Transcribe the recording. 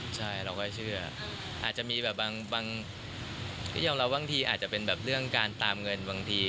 ใช่เราก็เชื่ออาจจะมีแบบบางที่ยอมรับบางทีอาจจะเป็นแบบเรื่องการตามเงินบางที